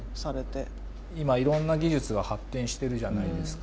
今いろんな技術が発展してるじゃないですか。